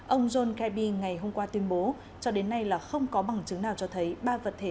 ông john kebi ngày hôm qua tuyên bố cho đến nay là không có bằng chứng nào cho thấy ba vật thể